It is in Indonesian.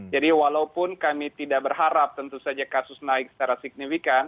jadi walaupun kami tidak berharap tentu saja kasus naik secara signifikan